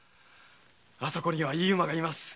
あそこにはいい馬がいます。